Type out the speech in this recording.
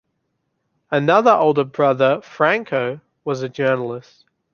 Another older brother, Franco, was a journalist.